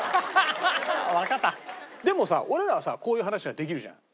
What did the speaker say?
でもさ俺らはさこういう話ができるじゃない。